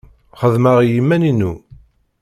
Xeddmeɣ i yiman-inu.